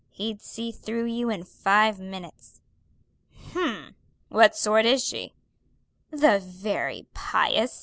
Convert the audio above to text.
He'd see through you in five minutes." "H'm! What sort is she?" "The very pious!"